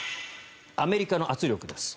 アメリカの圧力です。